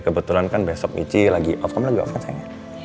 kebetulan kan besok ici lagi off kamu lagi off kan sayangnya